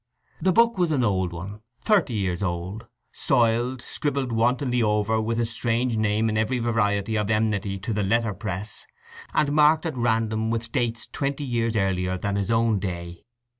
The book was an old one—thirty years old, soiled, scribbled wantonly over with a strange name in every variety of enmity to the letterpress, and marked at random with dates twenty years earlier than his own day.